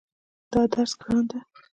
دا درس ګران ده